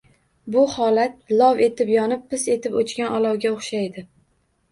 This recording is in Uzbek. Bu holat lov etib yonib, pis etib o‘chgan olovga o‘xshaydi.